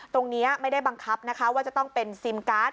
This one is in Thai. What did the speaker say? ตรงนี้ไม่ได้บังคับนะคะว่าจะต้องเป็นซิมการ์ด